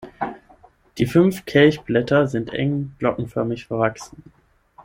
Die fünf Kelchblätter sind eng glockenförmig verwachsen.